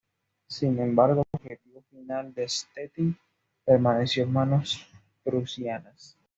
Sin embargo, su objetivo final de Stettin permaneció en manos prusianas.